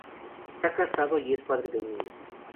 Está casado y es padre de un niño.